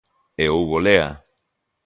E houbo lea.